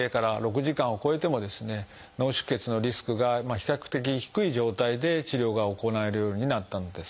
脳出血のリスクが比較的低い状態で治療が行えるようになったんです。